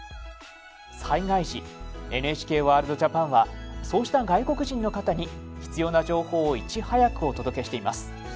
災害時ＮＨＫワールドＪＡＰＡＮはそうした外国人の方に必要な情報をいち早くお届けしています。